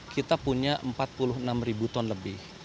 kita punya empat puluh enam ribu ton lebih